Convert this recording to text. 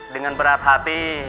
dengan berat hati